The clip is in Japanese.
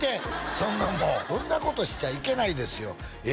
そんなもんそんなことしちゃいけないですよええ？